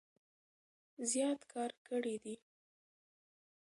زيات کار کړي دی